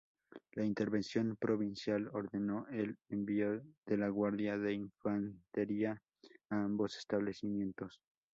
La intervención provincial ordenó el envió de la Guardia de Infantería a ambos establecimientos.